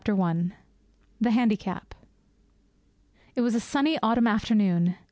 _ PART II I THE HANDICAP I It was a sunny autumn afternoon.